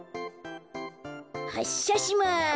はっしゃします。